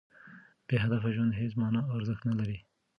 بې هدفه ژوند هېڅ مانا او ارزښت نه لري.